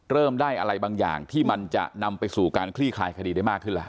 เริ่มได้อะไรบางอย่างที่มันจะนำไปสู่การคลี่คลายคดีได้มากขึ้นแล้ว